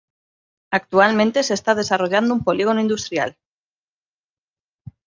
Actualmente se está desarrollando un polígono industrial.